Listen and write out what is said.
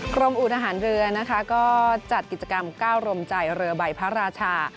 กรมอุทหารเรือนะคะก็จัดกิจกรรมก้าวรมใจเรือใบพระราชา